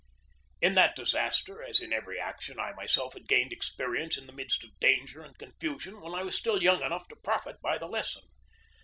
In that disaster, as in every action, I myself had gained experience in the midst of danger and confusion when I was still young enough to profit by the lesson.